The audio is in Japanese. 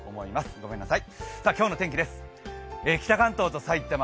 ごめんなさい。